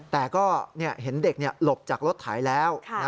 แต่ก็เห็นเด็กหลบจากรถไถแล้ว